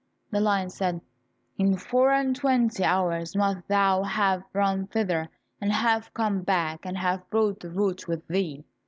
The lion said, "In four and twenty hours must thou have run thither and have come back, and have brought the root with thee."